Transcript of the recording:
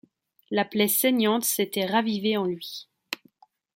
La plaie saignante s’était ravivée en lui.